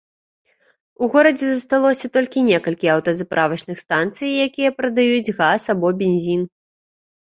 У горадзе засталося толькі некалькі аўтазаправачных станцый, якія прадаюць газ або бензін.